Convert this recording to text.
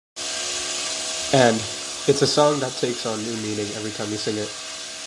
And: It's a song that takes on new meaning every time you sing it.